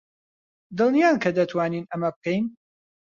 دڵنیان کە دەتوانین ئەمە بکەین؟